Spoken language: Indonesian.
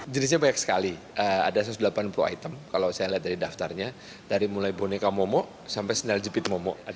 jenisnya banyak sekali ada satu ratus delapan puluh item kalau saya lihat dari daftarnya dari mulai boneka momo sampai sendal jepit momo